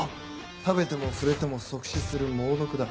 食べても触れても即死する猛毒だ。